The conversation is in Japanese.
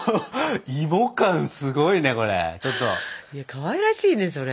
かわいらしいねそれ。